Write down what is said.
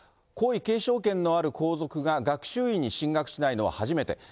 皇位継承権のある皇族が、学習院に進学しないのは初めて。